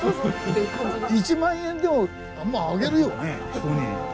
１万円でもまああげるよね人に。